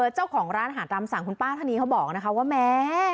เจ้าของร้านอาหารตามสั่งคุณป้าท่านนี้เขาบอกนะคะว่าแม่